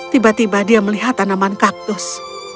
tiba tiba dia melihat tanaman kaktus